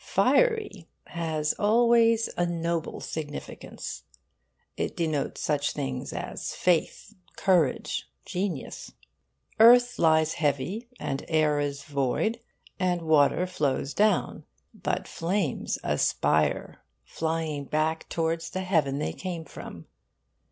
'Fiery' has always a noble significance. It denotes such things as faith, courage, genius. Earth lies heavy, and air is void, and water flows down; but flames aspire, flying back towards the heaven they came from.